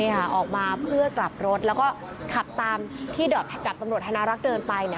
นี่ค่ะออกมาเพื่อกลับรถแล้วก็ขับตามที่ดับตำรวจธนารักษ์เดินไปเนี่ย